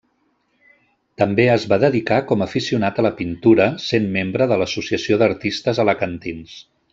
També es va dedicar com aficionat a la pintura, sent membre de l'Associació d'Artistes Alacantins.